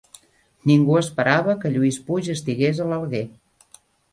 Ningú esperava que Lluís Puig estigués a l'Alguer